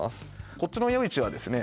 こっちの夜市はですね